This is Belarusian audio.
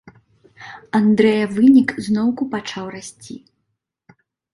Андрэя, вынік зноўку пачаў расці.